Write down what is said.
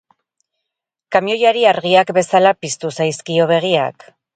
Kamioiari argiak bezala piztu zaizkio begiak.